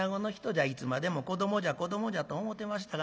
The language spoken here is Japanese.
いつまでも子どもじゃ子どもじゃと思ってましたが。